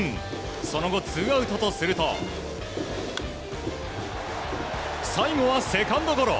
その後、ツーアウトとすると最後はセカンドゴロ。